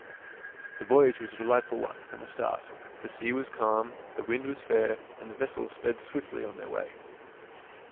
The voyage was a delightful one from the start. The sea was calm, the wind was fair, and the vessels sped swiftly on their way.